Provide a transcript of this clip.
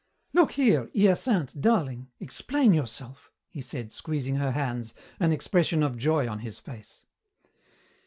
"Look here, Hyacinthe darling, explain yourself," he said, squeezing her hands, an expression of joy on his face.